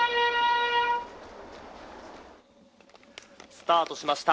「スタートしました。